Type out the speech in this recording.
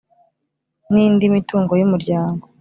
N indi mitungo y umuryango